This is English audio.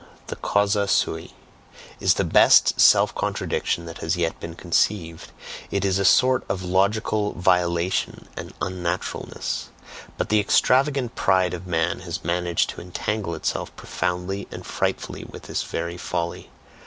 The CAUSA SUI is the best self contradiction that has yet been conceived, it is a sort of logical violation and unnaturalness; but the extravagant pride of man has managed to entangle itself profoundly and frightfully with this very folly.